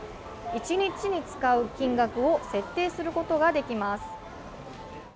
１日に使う金額を設定することができます。